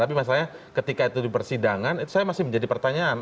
tapi masalahnya ketika itu di persidangan itu saya masih menjadi pertanyaan